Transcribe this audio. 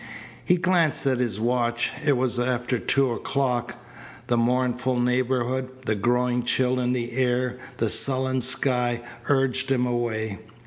He glanced at his watch. It was after two o'clock. The mournful neighbourhood, the growing chill in the air, the sullen sky, urged him away.